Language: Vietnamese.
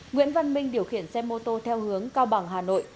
nguyễn văn minh điều khiển xe mô tô theo hướng cao bằng hà nội